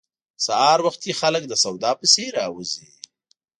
سهار وختي خلک د سودا پسې راوزي.